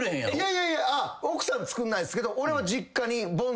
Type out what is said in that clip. いやいや奥さん作んないですけど俺は。